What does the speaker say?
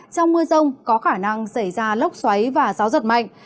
trong mưa rông có khả năng xảy ra lốc xoáy và gió giật mạnh